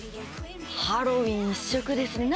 ハロウィーン一色ですね